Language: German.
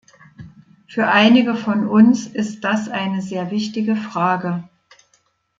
Für einige von uns ist das eine sehr wichtige Frage.